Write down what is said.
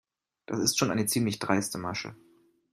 Das ist schon eine ziemlich dreiste Masche.